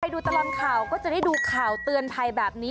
ดูตลอดข่าวก็จะได้ดูข่าวเตือนภัยแบบนี้